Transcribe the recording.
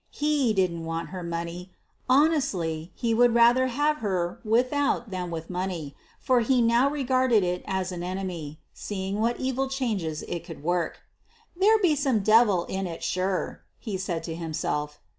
He didn't want her money! Honestly, he would rather have her without than with money, for he now regarded it as an enemy, seeing what evil changes it could work. "There be some devil in it, sure!" he said to himself.